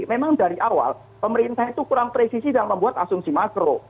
memang dari awal pemerintah itu kurang presisi dalam membuat asumsi makro